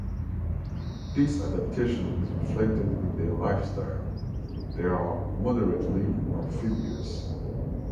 This adaptation is reflected in their life style; they are moderately amphibious.